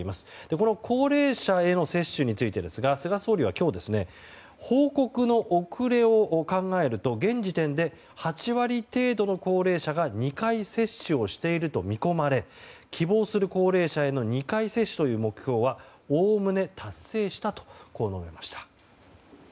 この高齢者への接種について菅総理は今日報告の遅れを考えると現時点で８割程度の高齢者が２回接種をしていると見込まれ希望する高齢者への２回接種という目標はおおむね達成したと述べました。